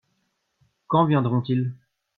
Quand viendront-ils ?